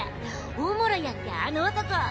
おもろいやんけあの男。